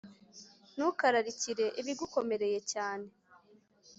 Ntukararikire ibigukomereye cyane,